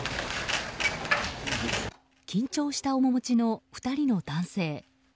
緊張した面持ちの２人の男性。